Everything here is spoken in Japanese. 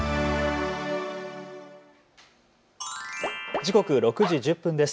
時刻は６時１０分です。